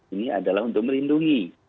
ini adalah untuk melindungi